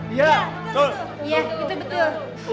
iya betul iya betul